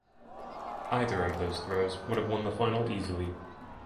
Either of those throws would have won the final easily.